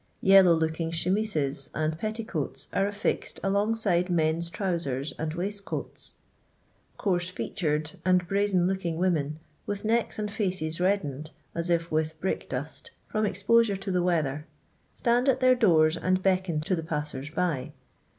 Yellow looking chemises and petticoats are affixed along side men's trowsers and waistcoats ; coarse featund and brazen looking women, with necks and faces I reddened, as if with brick dust, from exposure to the weather, stand at their d^rs and beckon to the passers by.